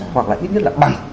hoặc là ít nhất là bằng